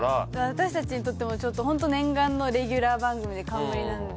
私たちにとってもちょっとホント念願のレギュラー番組で冠なので。